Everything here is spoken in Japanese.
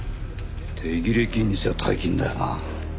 手切れ金にしちゃ大金だよな。